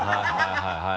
はいはい。